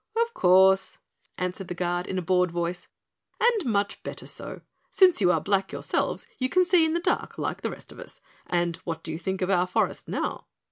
"Of course," answered the Guard in a bored voice, "and much better so. Since you are black yourselves, you can see in the dark like the rest of us, and what do you think of our forest now?"